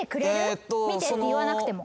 見てって言わなくても。